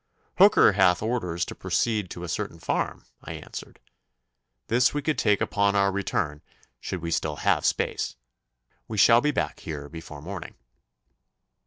'Hooker hath orders to proceed to a certain farm,' I answered. 'This we could take upon our return should we still have space. We shall be back here before morning.